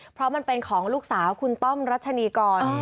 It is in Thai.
เพราะมันเป็นของลูกสาวคุณต้อมรัชนีกร